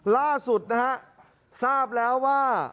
ล่าสุดนะฮะทราบแล้วว่า